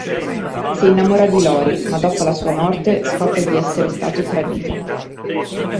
Si innamora di Lori, ma dopo la sua morte scopre di essere stato tradito.